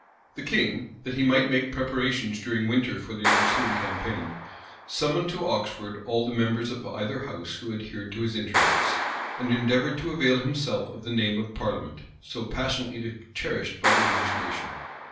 The king, that he might make preparations during winter for the ensuing campaign, summoned to Oxford all the members of either house who adhered to his interests; and endeavored to avail himself of the name of parliament, so passionately cherished by the English nation.